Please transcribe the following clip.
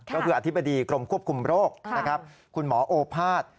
ก็คืออธิบดีกรมควบคุมโรคคุณหมอโอภาส